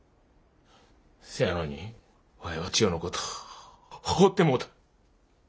せやのにわいは千代のことをほってもうた。